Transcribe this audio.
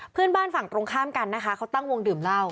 เพื่อนบ้านฝั่งตรงข้ามกันนะคะเขาตั้งวงดื่มเหล้า